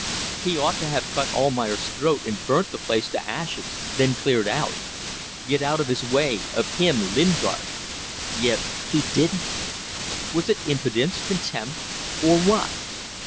He ought to have cut Almayer's throat and burnt the place to ashes then cleared out. Got out of his way; of him, Lingard! Yet he didn't. Was it impudence, contempt or what?